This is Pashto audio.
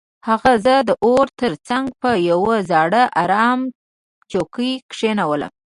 هغه زه د اور تر څنګ په یو زاړه ارامه څوکۍ کښینولم